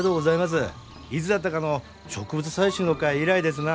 いつだったかの植物採集の会以来ですな。